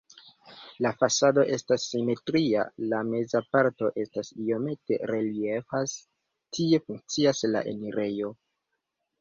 La fasado estas simetria, la meza parto estas iomete reliefas, tie funkcias la enirejo.